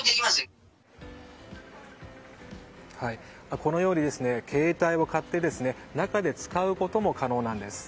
このように携帯を買って中で使うことも可能なんです。